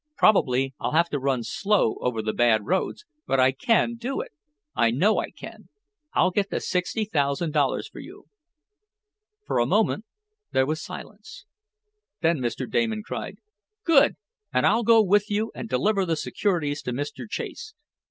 Probably I'll have to run slow over the bad roads; but I can do it! I know I can. I'll get the sixty thousand dollars for you!" For a moment there was silence. Then Mr. Damon cried: "Good! And I'll go with you and deliver the securities to Mr. Chase.